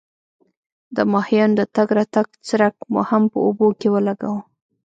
د ماهیانو د تګ راتګ څرک مو هم په اوبو کې ولګاوه.